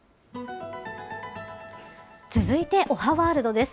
続いておはワールドです。